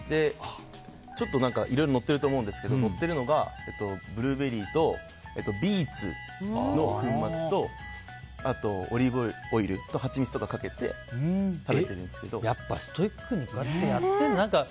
ちょっといろいろのってると思うんですけどのってるのがブルーベリーとビーツの粉末とあと、オリーブオイルとハチミツとかをかけてやっぱりストイックにやってるんだ。